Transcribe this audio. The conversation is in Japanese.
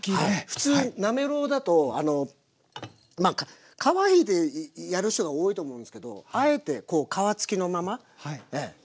普通なめろうだと皮引いてやる人が多いと思うんですけどあえて皮付きのままええ。